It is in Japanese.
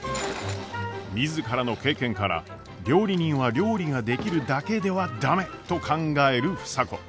自らの経験から料理人は料理ができるだけでは駄目と考える房子。